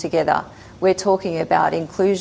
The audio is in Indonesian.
kami berbicara tentang inklusi